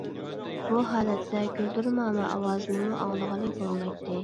بۇ ھالەتتە گۈلدۈرماما ئاۋازىنىمۇ ئاڭلىغىلى بولمايتتى.